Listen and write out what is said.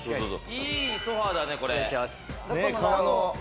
ソファだね、これ。